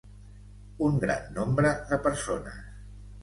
Un gran nombre de persones.